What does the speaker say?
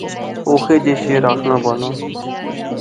اوہے جے شعر آخنا بانا